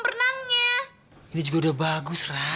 akhirnya sampai aku dilihat kehendaknya ohh really